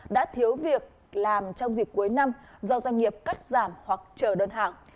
đã thiếu việc làm trong dịp cuối năm do doanh nghiệp cắt giảm hoặc trở đơn hạng